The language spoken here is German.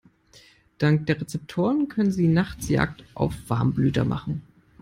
Dank der Rezeptoren können sie nachts Jagd auf Warmblüter machen.